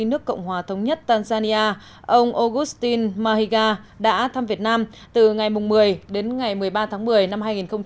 nước cộng hòa thống nhất tanzania ông augustin mahiga đã thăm việt nam từ ngày một mươi đến ngày một mươi ba tháng một mươi năm hai nghìn một mươi chín